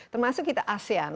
termasuk kita asean